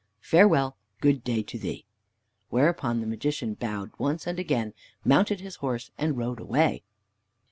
Farewell! Good day to thee!" Whereupon the Magician bowed once and again, mounted his horse, and rode away.